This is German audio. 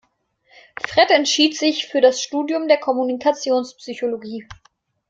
Fred entschied sich für das Studium der Kommunikationspsychologie.